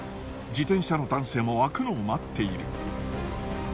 自転車の男性も開くのを待っている。